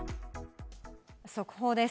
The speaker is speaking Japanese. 速報です。